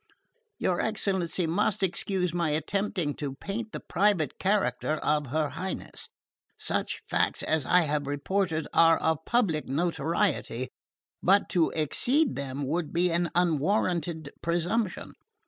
Your excellency must excuse my attempting to paint the private character of her Highness. Such facts as I have reported are of public notoriety, but to exceed them would be an unwarranted presumption.